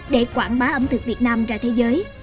để quảng bá ẩm thực việt nam ra thế giới